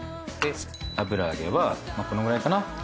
で油揚げはこのくらいかな。